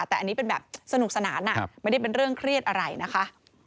แต่อันนี้เป็นแบบสนุกสนานไม่ได้เป็นเรื่องเครียดอะไรนะคะ